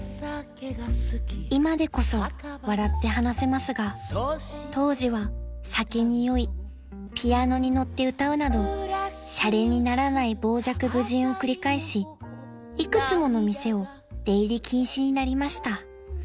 ［今でこそ笑って話せますが当時は酒に酔いピアノに乗って歌うなどしゃれにならない傍若無人を繰り返し幾つもの店を出入り禁止になりました］